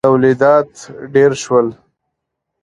تولیدات ډېر شول.